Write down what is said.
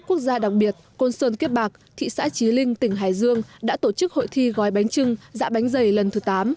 quốc gia đặc biệt côn sơn kiếp bạc thị xã trí linh tỉnh hải dương đã tổ chức hội thi gói bánh trưng dạ bánh dày lần thứ tám